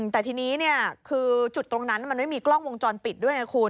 แต่ทีนี้คือจุดตรงนั้นมันไม่มีกล้องวงจรปิดด้วยไงคุณ